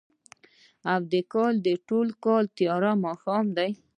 او د کال، د ټوله کال تیاره ماښام دی